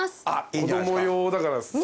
子供用だからそうっすね。